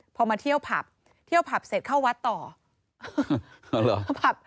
พอมาเที่ยวผับเที่ยวผับเสร็จเข้าวัดต่อเหรอ